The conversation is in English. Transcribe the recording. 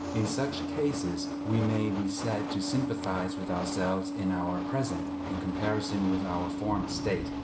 In such cases we may be said to sympathize with ourselves in our present, in comparison with our former, state.